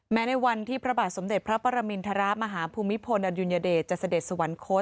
แม้ในวันที่พระบาทสมเด็จพระประมินทราบมหาภูมิพลอันยุณยเดชจะเสด็จสวรรค์โค้ด